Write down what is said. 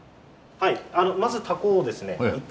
はい。